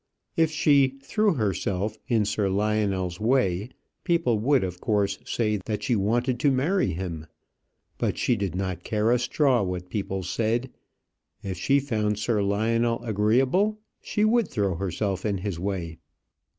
"If she threw herself in Sir Lionel's way, people would of course say that she wanted to marry him; but she did not care a straw what people said; if she found Sir Lionel agreeable, she would throw herself in his way."